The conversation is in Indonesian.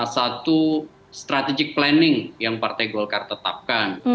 satu strategic planning yang partai golkar tetapkan